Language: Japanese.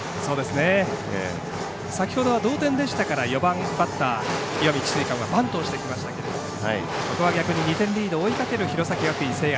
先ほどは同点でしたから４番バッター、石見智翠館はバントをしてきましたけれどもここは逆に２点リードを追いかける、弘前学院聖愛。